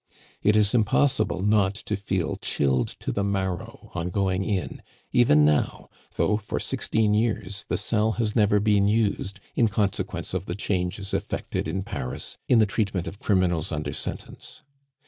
It is impossible not to feel chilled to the marrow on going in, even now, though for sixteen years the cell has never been used, in consequence of the changes effected in Paris in the treatment of criminals under sentence.